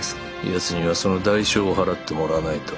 ヤツにはその代償を払ってもらわないと。